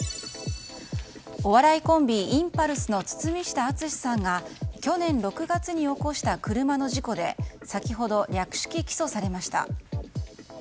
お笑いコンビインパルスの堤下敦さんが去年６月に起こした車の事故で先ほど、略式起訴されました。